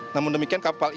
namun demikian kapal ini